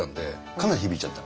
かなり響いちゃった。